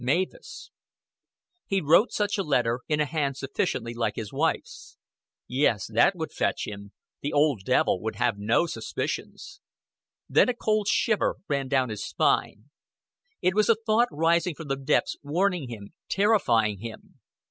Mavis." He wrote such a letter, in a hand sufficiently like his wife's. Yes, that would fetch him. The old devil would have no suspicions. Then a cold shiver ran down his spine. It was a thought rising from the depths, warning him, terrifying him.